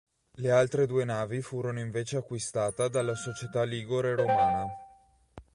Le altre due navi furono invece acquistate dalla Società Ligure Romana.